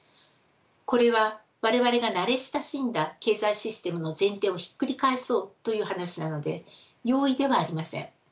これは我々が慣れ親しんだ経済システムの前提をひっくり返そうという話なので容易ではありません。